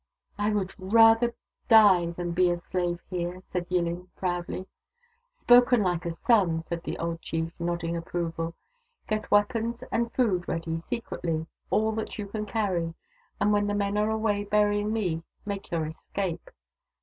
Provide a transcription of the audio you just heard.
" I would rather die than be a slave here !" said Yillin proudly. " Spoken like a son !" said the old chief, nodding approval. " Get weapons and food ready secretly, all that you can carry : and when the men are away biu ying me, make your escape.